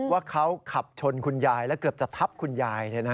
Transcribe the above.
ว่าเขาขับชนคุณยายและเกือบจะทับคุณยาย